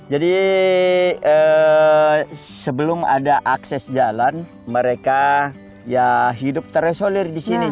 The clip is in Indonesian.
sebelum ada akses jalan mereka ya hidup terisolir di sini